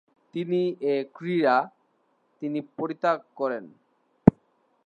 কিন্তু এ ক্রীড়া তিনি পরিত্যাগ করেন।